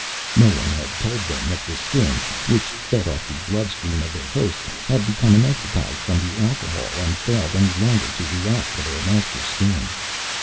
No one had told them that the Skins, which fed off the bloodstream of their hosts, had become anesthetized from the alcohol and failed any longer to react to their Master Skin.